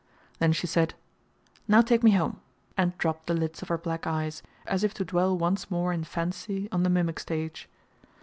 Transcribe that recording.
Then she said, "Now take me home!" and dropped the lids of her black eyes, as if to dwell once more in fancy on the mimic stage.